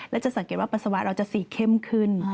และจะสังเกตว่าปัสสาวะเราจะสีเข้มขึ้น